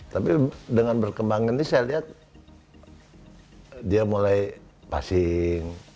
tapi dengan berkembang ini saya lihat dia mulai pasing